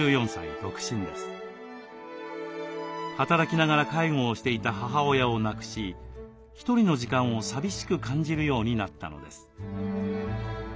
働きながら介護をしていた母親を亡くし１人の時間を寂しく感じるようになったのです。